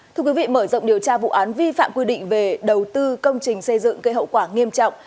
thưa quý vị mở rộng điều tra vụ án vi phạm quy định về đầu tư công trình xây dựng gây hậu quả nghiêm trọng